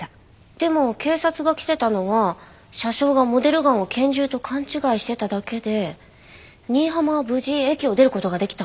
でも警察が来てたのは車掌がモデルガンを拳銃と勘違いしてただけで新浜は無事駅を出る事ができた。